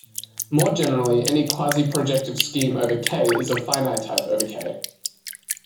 More generally, any quasi-projective scheme over "k" is of finite type over "k".